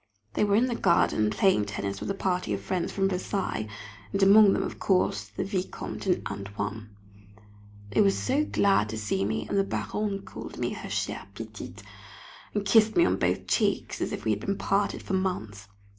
They were in the garden playing tennis with a party of friends from Versailles, and among them, of course, the Vicomte and "Antoine." They were all so glad to see me, and the Baronne called me her "chère petite," and kissed me on both cheeks, as if we had been parted for months.